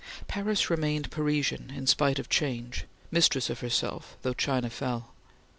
Paris remained Parisian in spite of change, mistress of herself though China fell.